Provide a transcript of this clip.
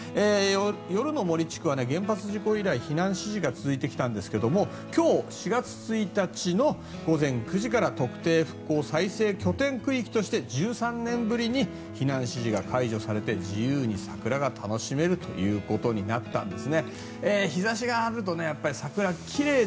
夜の森地区は原発事故以来避難指示が続いてきたんですが今日４月１日の午前９時から特定復興再生拠点区域として１３年ぶりに避難指示が解除されて自由に桜が楽しめるということになったんです。